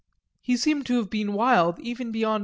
He seemed to have been wild even beyond M.